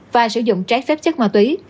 và sử dụng trái phép chất ma túy